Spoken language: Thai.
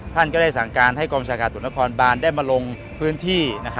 ท่านก็ได้สั่งการให้กรมชากาศตุนครบานได้มาลงพื้นที่